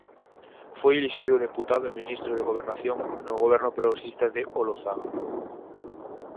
Foi elixido deputado e ministro de Gobernación no goberno progresista de Olozaga.